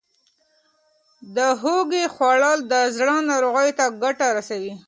د هوږې خوړل د زړه ناروغیو ته ګټه رسوي.